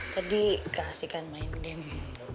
tadi gak asyik kan main game